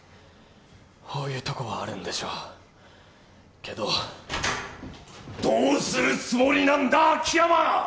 ほういうとこはあるんでしょうけどどうするつもりなんだ秋山！